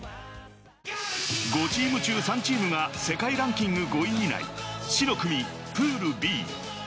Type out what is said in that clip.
５チーム中、３チームが世界ランキング５位以内、死の組・プールＢ。